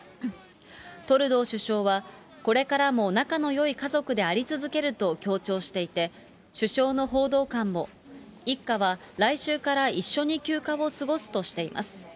トルドー首相は、これからも仲のよい家族であり続けると強調していて、首相の報道官も一家は来週から一緒に休暇を過ごすとしています。